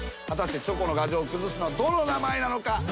果たしてチョコの牙城を崩すのはどの名前なのか。